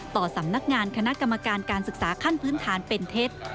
ต่อสำนักงานคณะกรรมการการศึกษาขั้นพื้นฐานเป็นเท็จ